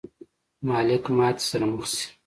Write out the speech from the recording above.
مالک ماتې سره مخ شي.